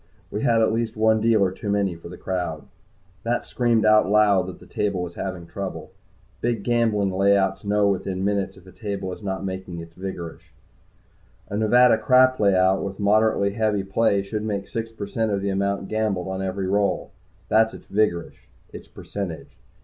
We had at least one dealer too many for the crowd. That screamed out loud the table was having trouble. Big gambling layouts know within minutes if a table is not making its vigorish. A Nevada crap layout, with moderately heavy play, should make six per cent of the amount gambled on every roll. That's its vigorish its percentage.